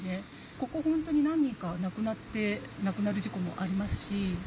ここ本当に、何人か亡くなって、亡くなる事故もありますし。